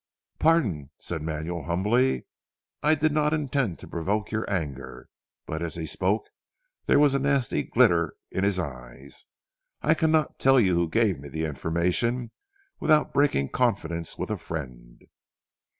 "Pardon," said Manuel humbly, "I did not intend to provoke your anger," but as he spoke there was a nasty glitter in his eyes, "I cannot tell you who gave me the information without breaking confidence with a friend."